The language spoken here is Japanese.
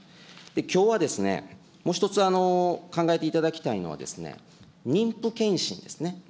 きょうはもう１つ考えていただきたいのはですね、妊婦健診ですね。